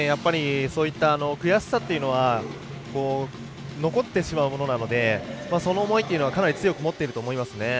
そういった悔しさというのは残ってしまうものなのでその思いというのはかなり強く持っていると思いますね。